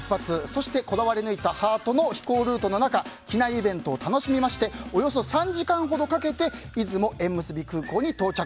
そしてこだわり抜いたハートの飛行ルートの中機内イベントを楽しみましておよそ３時間ほどかけて出雲縁結び空港に到着。